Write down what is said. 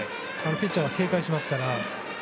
ピッチャーが警戒しますから。